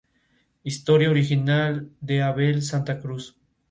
Historia original de Abel Santa Cruz.